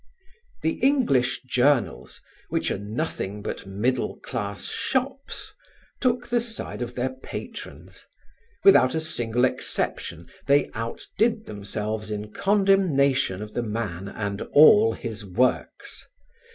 The English journals, which are nothing but middle class shops, took the side of their patrons. Without a single exception they outdid themselves in condemnation of the man and all his works.